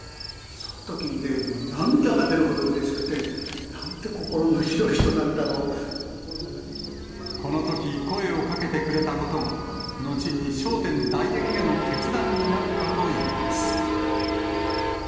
そのときにね、もう涙が出るほどうれしくて、なんて心の広い人なこのとき、声をかけてくれたことが、後に笑点代演への決断になったといいます。